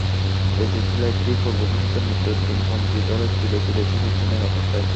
বেঁচে ছিল একটি পূর্বঘোষিত মৃত্যুর দিনপঞ্জি ধরে তিলে তিলে শেষের দিনের অপেক্ষায়।